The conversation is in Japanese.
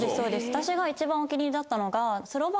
私が一番お気に入りだったのが。